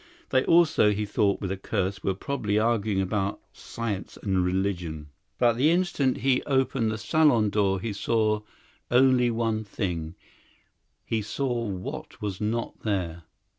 They also, he thought with a curse, were probably arguing about "science and religion." But the instant he opened the salon door he saw only one thing he saw what was not there.